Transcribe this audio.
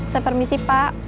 saya permisi pak